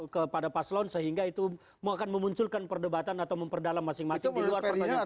kepada paslon sehingga itu akan memunculkan perdebatan atau memperdalam masing masing di luar pertanyaan